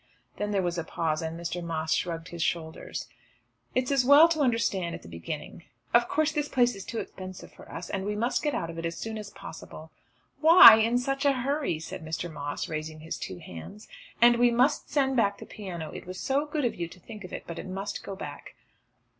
Then there was a pause, and Mr. Moss shrugged his shoulders. "It's as well to understand that at the beginning. Of course this place is too expensive for us and we must get out of it as soon as possible." "Why in such a hurry?" said Mr. Moss raising his two hands. "And we must send back the piano. It was so good of you to think of it! But it must go back."